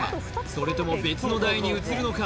それとも別の台に移るのか？